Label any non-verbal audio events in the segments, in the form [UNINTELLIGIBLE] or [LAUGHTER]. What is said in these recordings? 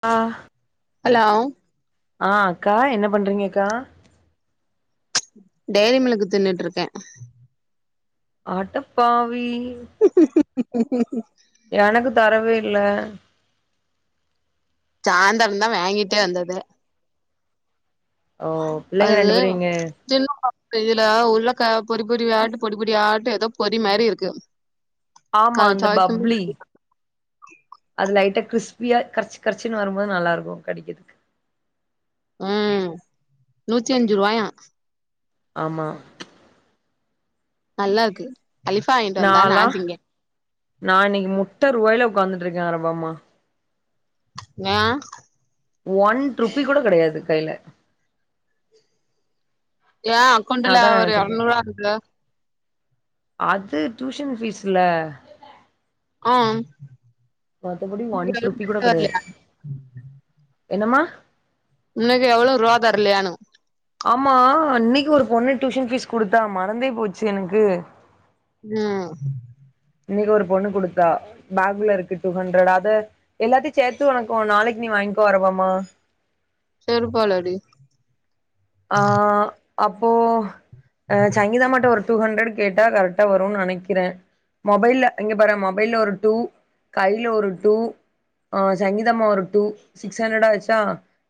ஆ hello ஆ அக்கா என்ன பண்றீங்க அக்கா டைரி மில்க் தின்ட்டு இருக்கே ஆடப்பாவி எனக்கு தரவே இல்ல சாந்தம் தா வாங்கிட்டே வந்தது ஓ பிள்ளைங்க அது ரெண்டு பேரு இங்க தின்ன கூடா இதுல உள்ளகா பொறி பொறியா ஆட்டு பொடி பொடியா ஆட்டு ஏதோ பொறி மாரி இருக்கு ஆமா அது அந்த பப்ளி சுவைக்கும்போது அது லைட்டா கிறிஸ்பியா கரிச்சி கரிச்சின்னு வரும்போது நல்லா இருக்கு கடிக்கறதுக்கு ம் நூத்தி அஞ்சு ரூவாயா ஆமா நல்லா இருக்கு அலிஃபா வாங்கிட்டு வந்தா நா நாளா திங்க நா இன்னைக்கு முட்ட ரூவாயில உக்காந்துட்ருக்கே அரபம்மா ஏ ஒன் ருப்பீ கூட கெடையாது கைல ஏ நா அக்கௌண்டல அதா ஒரு நெனச்சிருக்கே எரநூரூவா இருக்கு அது டியூஷன் ஃபீஸ்ல ஆம் மத்தபடி ஒன்ருபி கூட கெடையாது வரலையா என்னம்மா உன்னக்கு எவ்ளவு ரூவா தரலையானு ஆமா அன்னைக்கு ஒரு பொண்ணு டியூஷன் ஃபீஸ் குடுத்தா மறந்தே போச்சு எனக்கு ம் இன்னைக்கு ஒரு பொண்ணு குடுத்தா பேக்ல இருக்கு டூ ஹண்ட்ரட் அது எல்லாத்தையு சேத்து ஒனக்கு நாளைக்கு நீ வாங்கிக்கோ அரபம்மா செருப்பால அடி ஆ அப்போ அ சங்கிதமாட்ட ஒரு டூ ஹண்ட்ரட் கேட்டா கரெக்ட் டா வருன்னு நெனைக்கிறே மொபைல்ல இங்க பாற மொபைல்ல ஒரு டூ கையில ஒரு டூ ஆ சங்கீதம்மா ஒரு டூ சிக்ஸ் ஹண்ட்ரடாச்சா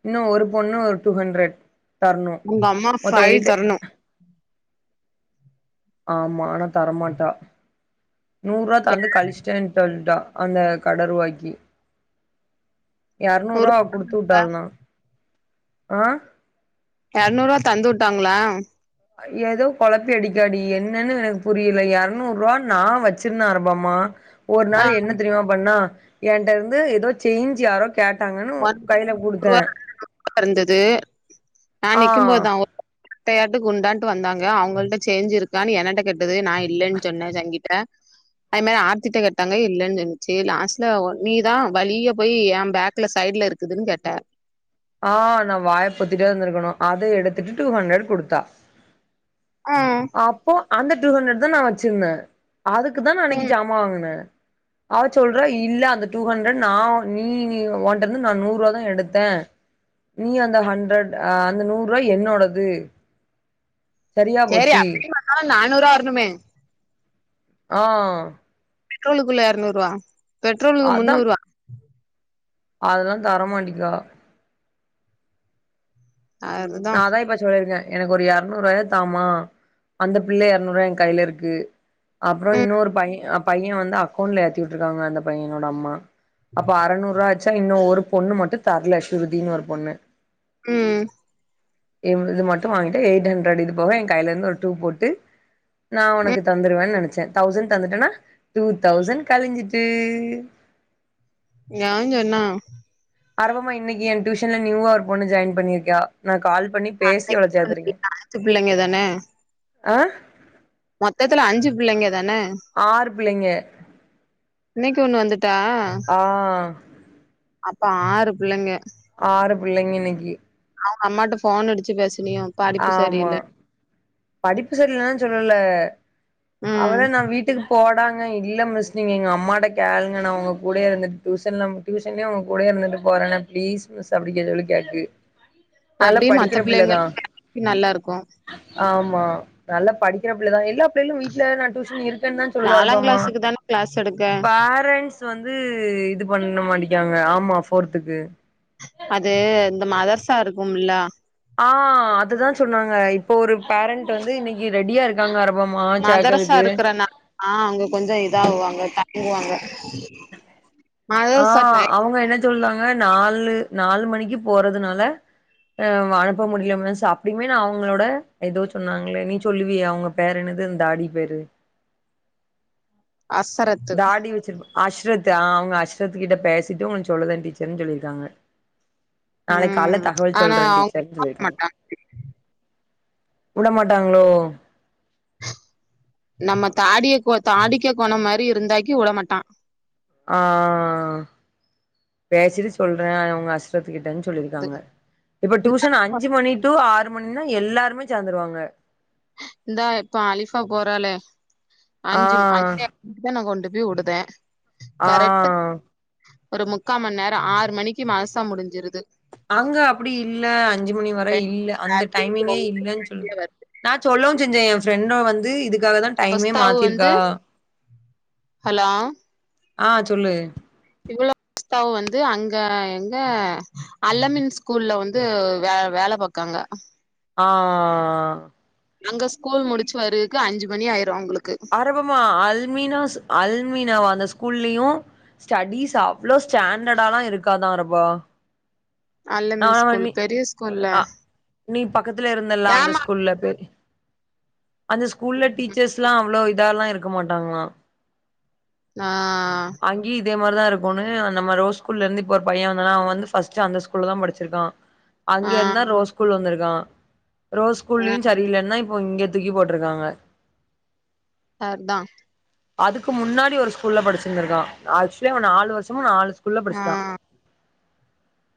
இன்னு ஒரு பொண்ணு ஒரு டூ ஹண்ட்ரட் தரணு உங்கம்மா மொத்த ஃபை எயிட் தரணு ஆமா ஆனா தரமாட்டா நூரூவா தந்து கழிச்சிட்டே சொல்ட்டா அந்த கடரூவாய்க்கி எரநூறு எரநூரூவா குடுத்து விட்டாள்னா ஆ எரநூரூவா தந்து விட்டாங்களா ஏதோ கொழப்பி அடிக்காடி என்னன்னு எனக்கு புரியல எரநூரூபா நா வச்சிருந்தே அரபாமா ஒரு ஆ நாள் என்ன தெரியுமா பண்ணா என்கிட்ட இருந்து ஏதோ சேஞ்சு யாரோ கேட்டாங்கன்னு ஒன்ல கையில மு [UNINTELLIGIBLE] குடுத்தே ரூபா இருந்தது நா ஆ நிக்கும்போதா கட்டையாட்டு குண்டான்ட்டு வந்தாங்க அவங்கள்ட சேஞ்ச் இருக்கான்னு என்னட்ட கேட்டது நா இல்லைன்னு சொன்னே சங்கிட்ட அது மாரி ஆர்த்திட்ட கட்டாங்க இல்லன்னு சொன்னிச்சு லாஸ்ட்ல நீதா வழியே போய் ஏ பேக் ல சைட்ல இருக்குதுன்னு கேட்ட ஆ நா வாய பொத்திட்டே இருந்திருக்கணு அத எடுத்துட்டு டூ ஹண்ட்ரட் குடுத்தா ஆ அப்போ அந்த டூ ஹண்ட்ரட் தா நா வச்சிருந்தே அதுக்கு தா நா அன்னைக்கு ஜாமா வாங்குனே அவ சொல்றா இல்ல அந்த டூ ஹண்ட்ரட் நா நீ நீ ஓண்ட இருந்து நா நூரூவா தா எடுத்தே நீ அந்த ஹண்ட்ரட் ஆ அந்த நூரூவா என்னோடது சரியா சரி போச்சு அப்டி பாத்தாலு நானூரூவா வரணுமே ஆ பெட்ரோலுக்குள்ள எரநூரூபா பெட்ரோலுக்கு முன்னூருவா அதுல்லா தரமாட்டிக்கா அதுதா நா அதா இப்ப சொல்லியிருக்கே எனக்கு ஒரு எரநூரூவாய தாம்மா அந்த பிள்ளைைய எரநூரூவாய ஏ கையில இருக்கு அப்பறோ ம் இன்னொரு பைய பைய வந்து அக்கௌண்ட்ல ஏத்தி விட்ருக்காங்க அந்த பையனோட அம்மா அப்ப அறநூரூவாச்சா இன்னு ஒரு பொண்ணு மட்டு தரல ஸ்ருதின்னு ஒரு பொண்ணு ம் இ இது மட்டு வாங்கிட்டு எயிட் ஹண்ரட் இது போக எ கையிலிருந்து ஒரு டூ போட்டு நா உனக்கு ம் தந்துருவன் நனைச்சே தௌசண்ட் தந்துட்டனா டூ தௌசண்ட் கழிஞ்சிட்டு யாவ்ஞ்சொன்னா அரவமா இன்னிக்கு என் டியூஷன்ல நியூவா ஓரு பொண்ணு ஜாயின் பண்ணிருக்கா நா கால் பண்ணி பேசி இன்னைக்கு அவள ஒண்ணு சேத்திருக்கே இல்ல, அஞ்சு பிள்ளைங்க தான ஆ மொத்தத்துல அஞ்சு பிள்ளைங்க தான ஆறு பிள்ளைங்க இன்னைக்கு ஒண்ணு வந்துட்டா ஆ அப்ப ஆறு புள்ளைங்க ஆறு புள்ளைங்க இன்னைக்கி அவுங்க அம்மாட்ட ஃபோன் அடிச்சு பேசனியோ படிப்பு சரி ஆமா இல்ல படிப்பு சரியில்லலா சொல்லல ம் அவளே நா வீட்டுக் போடாங்க இல்ல மிஸ் நீங்க எங்க அம்மாட்ட கேளுங்க நா உங்க கூடயே இருந்துட்டு டியூசன்லாம் டியூஷன்லே உங்க கூடே இருந்துட்டு போறனே பிளீஸ் மிஸ் அப்டி கே சொல்லி கேக்கு நல்லா படிக்கிற பிள்ளதா ன் நல்லா இருக்கு ஆமா நல்லா படிக்கிற பிள்ளதா எல்லா பிள்ளைகளு வீட்ல நா டியூஷன் இருக் கன்தா சொல்லு நாலாங் அருபாமா கிளாஸுக்கு தான கிளாஸ் எடுக்க பாரண்ட்ஸ் இது வந்து இது பண்ண மாட்டிக்காங்க ஆமா ஃபோர்த்துக்கு அது இந்த மதர்சா இருக்கும்லா ஆ அதுதா சொன்னாங்க இப்போ ஒரு பேரண்ட் வந்து இன்னிக் க் ரெடியா இருக்காங்க அரபமா மதரசா சேக்கறுக்கு இருக்கறனா ஆ அங்க கொஞ்ச இதா ஆவாங்க தா குவாங்க ஆ அவுங்க என்ன சொல்தாங்க நாலு நாலு மணிக்கு போறதுனால அ அவ அனுப்ப முடில மிஸ் அப்டியுமே நா அவுங்களோட எதோ சொன்னாங்களே நீ சொல்லுவியே அவுங்க பேரு என்னது இந்தாடி பேரு அசரத் தாடி வச்சிருப் அஷ்ரத்து அ அவுங்க அஷ்ரத்து கிட்ட பேசிட்டு உங்களுக்கு சொல்லுதே டீச்சர்ன் சொல்லியிருக்காங்க நாளைக்கால ம் தகவல் ஆனா சொல்ற டீச்சர்ன்னு அவங்க சொல்லியிருக்காங்க மாட்டா உடமாட்டாங்களோ நம்ம தாடிய கோ தாடிக்க கொனோ மாரி இருந்தாக்கி உட மாட்டா ஆ ஆ ஆ பேசிட்டு சொல்ற உங்க அஸ் ரத்துக்கிட்டன் அது சொல்லிருக்காங்க இப்ப டியூஷன் அஞ்சு மணி டூ ஆறு மணின்னா எல்லாருமே சேந்துருவாங்க இந்தா இப்ப அலிஃபா போறாளே ஆ அஞ்சும் அஞ்ச மணிக்குதா நா கொண்டு போய் உடுதே ஆ கரெட்டா ஒரு முக்கா மன் நேரோ ஆறு மணிக்கு மவ்சா முடிஞ்சிருது அங்க அப்டி இல்ல அஞ்சு மணி ரெ வர இல்ல அந்த அப்படின்னு டைமிங்கே இல்லன் சொல் சொல்லிட்டு நா சொல்லவு செஞ்சே எ ஃப்ரெண்டு வந்து இதுக்காக தா டைமே ஒஸ்தாவு வந்து மாத்திருக்கா ஹலோ ஆ சொல்லு இவளோ அக்காவு வந்து அங்க எங்க அல்லமின் ஸ்கூல்ல வந்து வே வேல பாக்காங்க ஆ ஆ ஆ ஆ ஆ அங்க ஸ்கூல் முடிச்சு வருக்கு அஞ்சு மணி ஆயிரு அவுங்குளுக்கு அரபமா அல்மீனாஸ் அல்மீனாவா அந்த ஸ்கூல்லயு ஸ்டடிஸ் அவ்ளோ ஸ்டாண்டர்டாலா இருக்காதா அரபா அல்லமின் ஆமா ஸ்கூல் நீ பெரிய ஸ்கூல்ல ஆ நீ பக்கத்துல இருந்தல்ல அந்த ஏமா ஸ்கூ ஸ்கூல்ல பேய் அந்த ஸ்கூல்ல டீச்சர்ஸ்லா அவ்ளோ இதால்லா இருக்க மாட்டாங்ளா நா அங்கேயு இதே மாரிதா இருக்குனு நம்ம ரோ ஸ்கூல இருந்து இப்ப ஒரு பைய வந்தான அவ வந்து ஃபஸ்ட்டு அந்த ஸ் ஸ்கூல்ல தா படிச்சிருக்கா அங்க ஆ இருந்தா ரோ ஸ்கூல் வந்திருக்கா ஆ ரோஸ்கூல்லயு சரியில்லன் தா இப்போ இங்க தூக்கி போட்ருக்காங்க சர் தா அதுக்கு முன்னாடி ஒரு ஸ்கூல்ல படிச்சிருந்திருக்கா ஆக்சுவலி நாலு வருஷமு நாலு ஸ்கூ ம்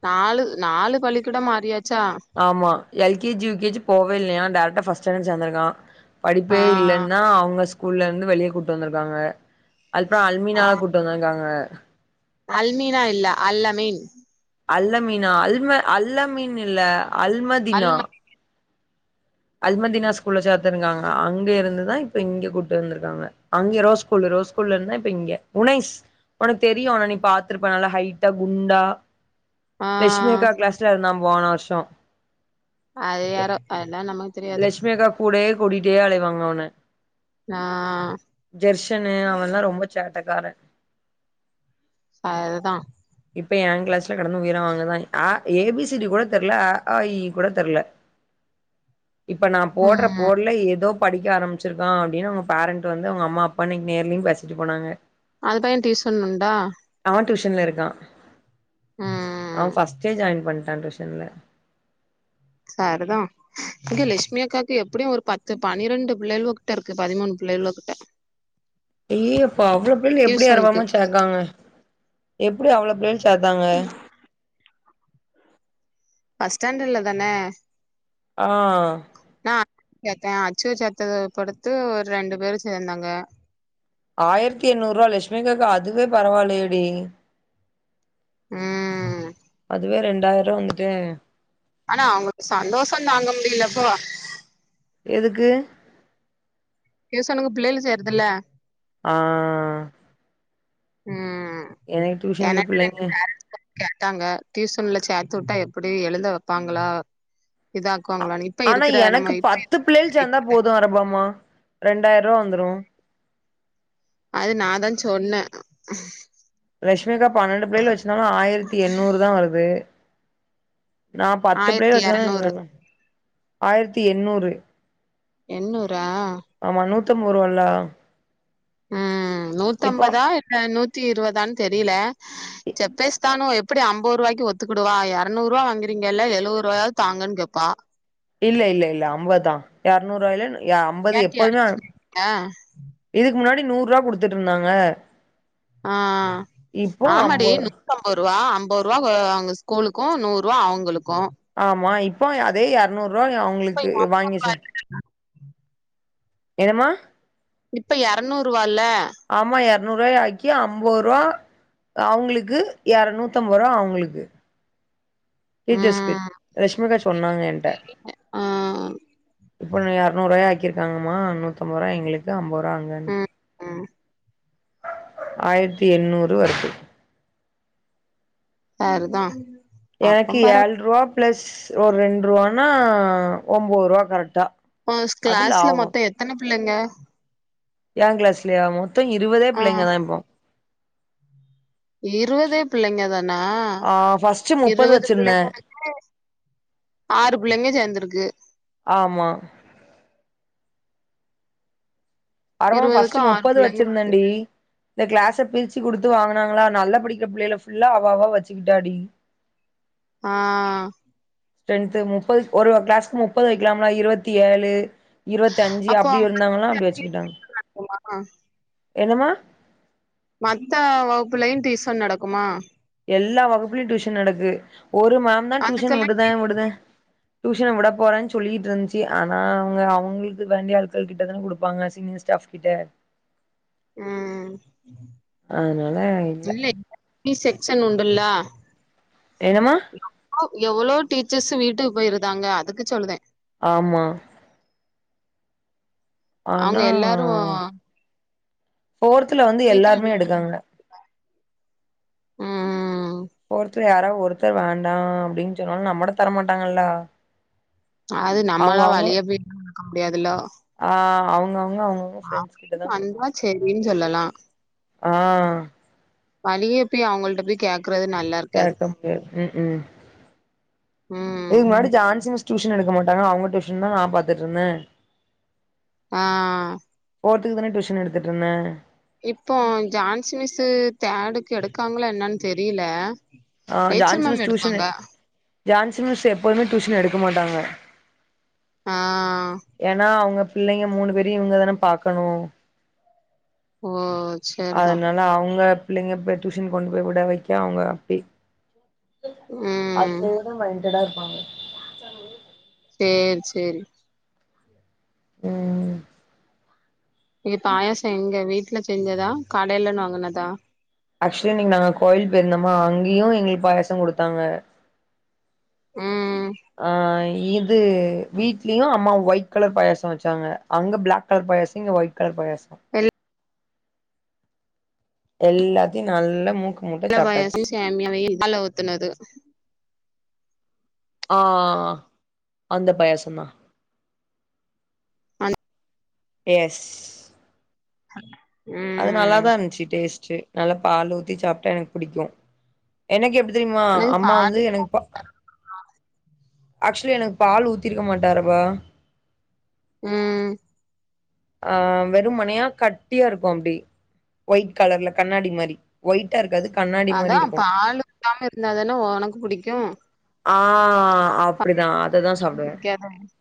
நாலு நாலு பள்ளி கூடொ மாறியாச்சா ஆமா எல்கேஜி யுகேஜி போவே இல்லையா டைரக்டா ஃபஸ்ட ஸ்டாண்டட் சேந்துருக்கா ஆ படிப்பே இல்லைன்னா அவங்க ஸ்கூல்ல இருந்து வெளியே கூட்டிட்டு வந்திருக்காங்க அதுப்புற அல்மீனா ஆ கூட் ட்டு வந்திருக்காங்க அல்மீனா இல்ல அல் அமீன் அல்லமீனா அல்ம அல்லமீன் இல்ல அல்மதீனா அல்ம அதுமதினா ஸ்கூல்ல சேத்திருக்காங்க அங்க இருந்துதா இப்ப இங்க கூட்டு வந்துருக்காங்க அங்க ரோ ஸ்கூல்ல ரோஸ் உள்ள இருந்தா இப்ப இங்க உனைஸ் ஒனக்கு தெரியு அவன நீ பாத்துருப்ப நல்லா ஹைட்டா குண்டா ஆ லக்ஷ்மி அக்கா கிளாஸ்ல இருந்தா போன வருஷோ அது யாரோ அதெல்லா நமக் லஷ்மி அக்கா கூடயே கூட்டிட்டே அலைவாங்க அவன நா ஜெர்ஷனு அவன்லா ரொம்ப சேட்டக்கார அதுதா இப்ப எ கிளாஸ்ல கடந்து உயிரவாங்கதா அ ஏபிசிடி கூட தெரில அ ஆ இ கூட தெரில இப்ப நா போடுற ம் போடுல ஏதோப் படிக்க ஆம்பிச்சிருக்கா அப்டின்னு அங்க பேரண்ட் வந்து அவங்க அம்மா அப்பா இன்னைக்கு நேர்லேயு பேசிட்டு போனாங்க அது பயன் டியூசன்னுன்டா அவ டியூஷன்ல இருக்கா ம் அவ ஃபஸ்ட்டே ஜாயின் பண்ணிட்டா டியூஷன்ல சர்தா இங்க லெஷ்மி அக்காக்கு எப்டியு ஒரு பத்து பனிரண்டு பிள்ளைள்வோகிட்ட இருக்கு பதிமூணு பிள்ளைள்வோகிட்ட ஏ அப்பா அவ்ளோ பிள்ளைள் எப்டி டியூசனுக்கு அரவாம சேக்காங்க எப்டி அவ்ளோ பிள்ளைள் சேத்தாங்க பஸ் ஸ்டாண்ட்ர்ல தான ஆ நா சேர்த்தே அச்சுவ சேர்த்தது பொடுத்து ஒரு ரெண்டு பேரு சேந்தாங்க ஆயிரத்தி எண்ணூறு ரூபா லஷ்மிகாக்கு அதுவே பரவாயில்லையேடி ம் அதுவே ரெண்டாயிரூவா வந்துட்டே ஆனா அவங்களுக்கு சந்தோஷ தாங்க முடியலப்பா எதுக்கு டியூசனுக்கு பிள்ளைல சேருதுள்ள ஆ ம் எனக்கு டியூஷனுக்கு எனக்கு ரெண்டு பிள்ளைங்க பேரண்ட்ஸ் கேட்டாங்க டியூசன்ல சேத்து வுட்டா எப்டி எழுத வப்பாங்களா? ஆ ஆனா நம்ம எனக்கு பத்து பிளைகள் சேந்தா இப்ப போது அரபமா ரெண்டாயிருவா வந்துரு அது நாதா சொன்ன ரஷ்மிகா பன்னெண்டு பிள்ளைல வச்சுனாலும் ஆயிரத்தி எண்ணூறு தா வருது நா பத்து பேர் ஆயிரத்தி வச்சாலு எரநூறு எனக் ஆயிரத்தி எண்ணூறு எண்ணூரா? ஆமா நூத்தம்பது ரூவல்ல ம் நூத்தம்பதா இல்ல நூத்தி இருவதான்னு தெரியல செப்பேஸ் தானு எப்டி அம்பதுருவாய்க்கு ஒத்துக்குடுவா எரநூறுவா வாங்குரிங்கல்ல எழுவது ரூவாயாவது தாங்கன் கேப்பா இல்ல இல்ல இல்ல அம்பதா எரநூறு ரூவாய்ல அம்பது கேட்டியால்ல எப்போதுமே இதுக்கு முன்னாடி நூர்ருவா குடுத்துட்டு இருந்தாங்க ஆ இப்போ ஆமாடி அம்பது ம்பதுருவா அம்பருவா அவங்க ஸ்கூலுக்கு நூறு ருவா அவங்களுக்கு ஆமா இப்போ அதே எரநூர்ருவா அவங்களுக்கு வாங்கிச்சே என்னம்மா இப்ப எரநூருவால ஆமா எரநூர்ருவாய் ஆக்கி அம்பருவா அவங்களுக்கு எரணுத்தம்பருவா அவங்களுக்கு டீச்சர்ஸ்கு ம் ரஷ்மிகா சொன்னாங்க ஏன்ட ஆ இப்போ எரநூருவாய் ஆக்கிருக்காங்கம்மா நூத்தம்பது ருவாய் எங்களுக்கு அம்பது ருவா அங்கன்னு ம் ம் ஆயிரத்தி எண்ணூறு வா இருக்கு பேர்ருதா எனக்கு ஏழ்ரூவா பிளஸ் ஒரு ரெண்டுரூவானா ஒம்போதுருவா கரெட்டா ஓஷ் கிளாஸ்ல மொத்தோ எத்தன பிள்ளைங்க ஏ கிளாஸ்லயா மொத்தோ இருவதே ஆ பிள்ளைங்க தா எமோ இருவதே பிள்ளைங்க தானா ஆ ஃபர்ஸ்ட் முப்பது இருவது வச்சிருந்தே பிள்ளைங்களுக்கு ஆறு புள்ளைங்க சேந்துருக்கு ஆமா அரவோ இருவதுக்கு ஃபஸ்ட்டு ஆறு முப்பது பிள்ளைங்க வச்சிருந்தே டீ இந்த கிளாஸ பிரிச்சு குடுத்து வாங்கனாங்களா நல்லா படிக்கிற பிள்ளைல ஃபுல்லா அவவா வச்சுக்கிட்டாடி ஆ ஸ்ட்ரென்த்து முப்பது ஒரு கிளாஸ்கு முப்பது வைக்லாம்ல இருவத்தி ஏழு இருவத்தி அஞ்சு அப்டி இருந்தாங்களா அப்டி வச்சுக்கிட்டாங்க ம் ஆமா என்னம்மா மத்த வகுப்புலையு டீஸ்சன் நடக்குமா எல்லா வகுப்புலயும் டியூஷன் நடக்கு ஒரு மேம்தா டியூஷன் அதுக்கெல்லா விடுதே விடுதே டியூஷன விட போறேன்னு சொல்லிட்டு இருந்துச்சு ஆனா அவங்க அவங்களுக்கு வேண்டிய ஆட்கள் கிட்டதா கொடுப்பாங்க சீனியர் ஸ்டாப் கிட்ட ம் இல்ல தனி செக்க்ஷென் உன்டுல்லா என்னம்மா எவளோ எவளோ டீச்சர்ஸ்சு வீட்டுக்கு போயிருந்தாங்க அதுக்கு சொல்லுதே ஆமா அவங்க ஆனா எல்லாரு போர்துல வந்து சீக்கிர எல்லாருமே வீட்டுக்கு எடுக்காங்க ம் ஒருத்தர் யாராவ ஒருத்தர் வேண்டாம் அப்டின்னு சொன்னாலும் நம்மட்ட தரமாட்டாங்கல்லா அது நம்மளா வழிய போய் நடக்க முடியாதுல ஆஹ் அவ்ங்கவுங்க அவங்க மோ ஃப்ரெண்ட்ஸ் கிட்ட தா கொடுப்பாங்க வந்தா செரின்னு சொல்லலா ஆஹ் வழிய போய் அவங்கள்ட போய் கேகறது நல்லா இருக்காது கேட்டா முடியாது உக்குஉஇதுக் ம் முன்னாடி ஜான்சி மிஸ் டியூஷன் எடுக்க மாட்டாங்க அவங்க டியூன் தா நா பாத்துட்டுருந்தே ஆஹ் ஃபோர்த்துக்கு தானே டியூஷன் எடுத்துட்டுருந்தே இப்போ ஜான்ஸ்மிஸ்ஸு தேடுக்கு எடுக்காங்களா என்னான்னு தெரியல ஆஹ் ரேச்சல் ஜான்சி மிஸ் மேம் டியூசனு எடுப்பாங்க ஜான்சி மிஸ் எப்பவுமே டியூஷன் எடுக்க மாட்டாங்க ஆ ஏனா அவங்க பிள்ளைங்க மூணு பேரையு இவங்கதானே பாக்கணு ஓ சேரிதா அதனால அவங்க பிள்ளைங்க போய் டியூஷன் கொண்டு போய் விட வைக்க அவங்க அப்பி ம் அதுலயேதா மைண்டட்டா இருப்பாங்க சேரி சேரி உம் சேரி பாயச எங்க வீட்டுல செஞ்சதா கடையிலன்னு வாங்குனதா ஆக்சுலி இன்னைக்கு நாங்க கோயில் பேருந்தோமா அங்கேயு எங்களுக்கு பாயசம் குடுத்தாங்க ம் ஆஹ் இது வீட்லயு அம்மா ஒயிட் கலர் பாயசம் வச்சாங்க அங்க பிளாக் கலர் பாயாச இங்க ஒயிட் கலர் பாயாசம் வெள்ள எல்லாத்தையு நல்ல மூக் எல்லா பாயாசயு சேமியாவையு பாலு ஊத்துனது ஆஹ அந்த பாயச தா ஆன எஸ் அது ம் நல்லாதா இருந்துச்சி டேஸ்ட்டு நல்லா பால் ஊத்தி சாப்ட்டா எனக்கு புடிக்கும் எனக்கு எப்டி தெரிமா எனக்கு அம்மா பால் வந்து எனக்கு பா ஆக்சுலி எனக்கு பால் ஊத்திருக்க மாட்டாருபா ம் ஆஹ் வெறும்மனையா கட்டியா இருக்கு அப்டி ஒயிட் கலர்ல கண்ணாடி மாரி ஒயிட்டா இருக்காது கண்ணா அதா பாலு ஊத்தாம இருந்தாதானே உனக்கு புடிக்கு ஆஹ் அப்டிதா அததா சாப்டுவே [UNINTELLIGIBLE]